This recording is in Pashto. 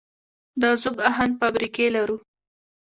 د ذوب اهن فابریکې لرو؟